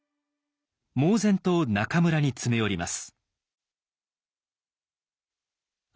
猛然と中村に詰め寄ります。